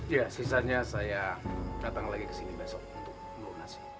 iya sisanya saya datang lagi kesini besok untuk mengumumkan